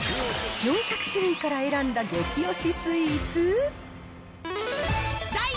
４００種類から選んだ激推しスイーツ。